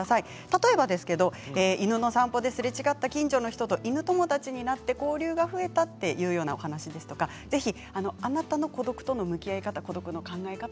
例えばですけど犬の散歩ですれ違った近所の人と犬友達になって交流が増えたというような話とかぜひ、あなたの孤独との向き合い方、考え方